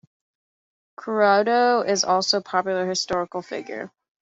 Kuroda is also a popular historical figure.